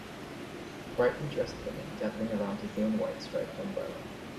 Brightly dressed women gathering around a blue and white striped umbrella.